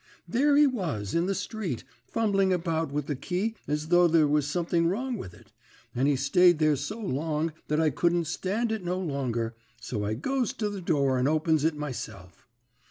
There he was in the street, fumbling about with the key as though there was something wrong with it; and he stayed there so long that I couldn't stand it no longer, so I goes to the door and opens it myself.